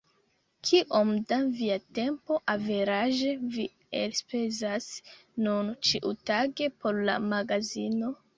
Kiom da via tempo averaĝe vi elspezas nun ĉiutage por la magazino?